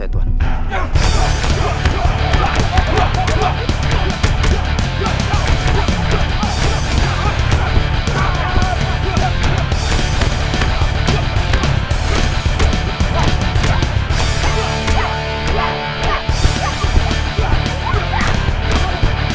tuhan tidak mau berhubung